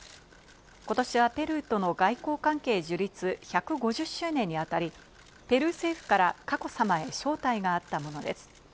ことしはペルーとの外交関係樹立１５０周年にあたり、ペルー政府から佳子さまへ招待があったものです。